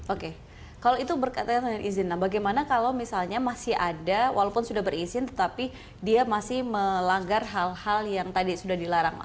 oke kalau itu berkaitan dengan izin bagaimana kalau misalnya masih ada walaupun sudah berizin tetapi dia masih melanggar hal hal yang tadi sudah dilarang